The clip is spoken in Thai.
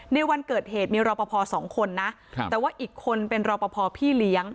ในวันเกิดเหตุมีรอปภสองคนนะแต่ว่าอีกคนเป็นรอปภพี่เลี้ยง